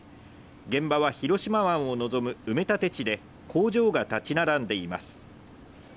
現場は広島湾を望む埋め立て地で、工場が立ち並んでいます。